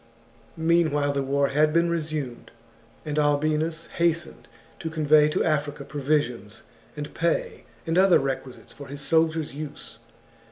CHAP. Meanwhile the war had been resumed, and Albinus XXXVI. hastened to convey to Africa provisions, and pay, and other requisites for his soldiers' use.